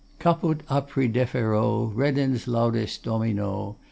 Caput Apri defero Reddens laudes Domino.